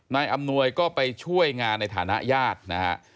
อำนวยก็ไปช่วยงานในฐานะญาตินะฮะ